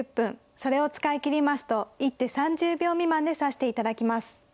それを使い切りますと一手３０秒未満で指して頂きます。